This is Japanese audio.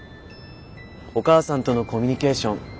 お母さんとのコミュニケーション